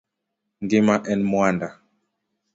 Ngima en mwanda.